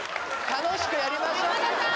楽しくやりましょう・浜田さん！